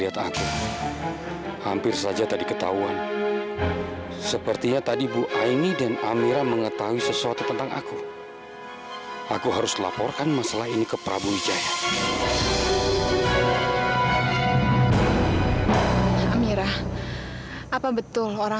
sampai jumpa di video selanjutnya